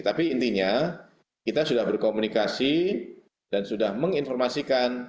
tapi intinya kita sudah berkomunikasi dan sudah menginformasikan